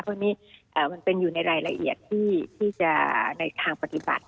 เพราะนี่มันเป็นอยู่ในรายละเอียดที่จะในทางปฏิบัติ